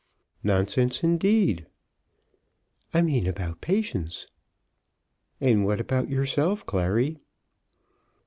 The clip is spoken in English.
"Nonsense, indeed." "I mean about Patience." "And what about yourself, Clary?"